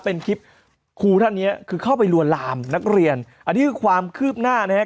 เป็นคลิปครูท่านเนี้ยคือเข้าไปลวนลามนักเรียนอันนี้คือความคืบหน้านะฮะ